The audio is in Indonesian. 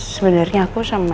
sebenarnya aku sama